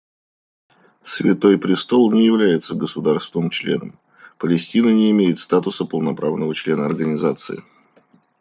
Святой Престол не является государством-членом; Палестина не имеет статуса полноправного члена Организации.